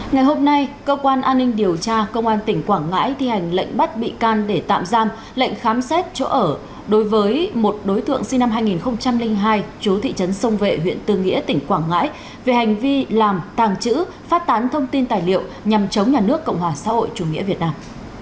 ngày hôm nay cơ quan an ninh điều tra công an tỉnh quảng ngãi thi hành lệnh bắt bị can để tạm giam lệnh khám xét chỗ ở đối với một đối tượng sinh năm hai nghìn hai chú thị trấn sông vệ huyện tư nghĩa tỉnh quảng ngãi về hành vi làm tàng trữ phát tán thông tin tài liệu nhằm chống nhà nước cộng hòa xã hội chủ nghĩa việt nam